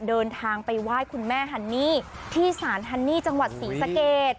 เดินทางไปไหว้คุณแม่ฮันนี่ที่ศาลฮันนี่จังหวัดศรีสะเกด